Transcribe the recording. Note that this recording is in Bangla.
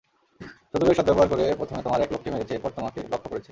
সুযোগের সদ্ব্যবহার করে প্রথমে তোমার এক লোককে মেরেছে, এরপর তোমাকে লক্ষ্য করেছে।